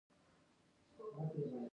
دلته زیاتې املایي تېروتنې شته.